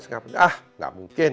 saya bilang ah tidak mungkin